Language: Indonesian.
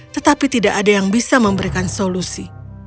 tetapi tidak ada yang bisa memberikan solusi